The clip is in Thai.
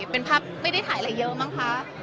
เป็นภาพไม่ได้ถ่ายอะไรเยอะมั้งคะ